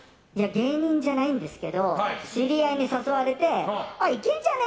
芸人じゃないんですけど知り合いに誘われていけんじゃね？